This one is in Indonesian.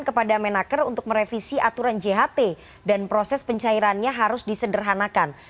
kepada menaker untuk merevisi aturan jht dan proses pencairannya harus disederhanakan